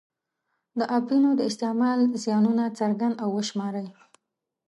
د اپینو د استعمال زیانونه څرګند او وشماري.